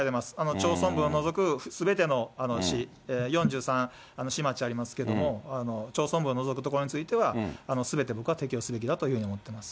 町村部を除くすべての市、４３市町ありますけれども、町村部を除く所については、すべて僕は適用すべきだというふうに思ってます。